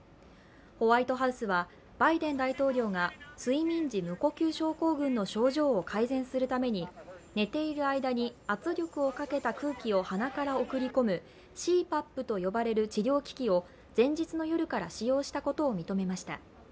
ホワイトハウスは、バイデン大統領が睡眠時無呼吸症候群の症状を改善するために寝ている間に圧力をかけた空気を鼻から送り込むＣＰＡＰと呼ばれる治療機器を前日の夜から使用したことを認めました。